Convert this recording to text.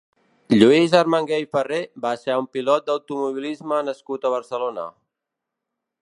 Lluís Armangué i Farré va ser un pilot d'automobilisme nascut a Barcelona.